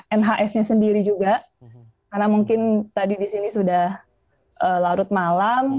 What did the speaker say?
dan dari nhs nya sendiri juga karena mungkin tadi di sini sudah larut malam